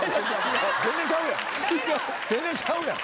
全然ちゃうやん！